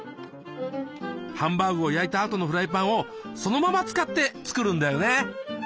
ハンバーグを焼いたあとのフライパンをそのまま使って作るんだよね。